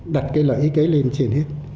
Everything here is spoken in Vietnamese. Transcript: đặt cái lợi ích ấy lên trên hết